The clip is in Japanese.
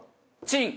チン。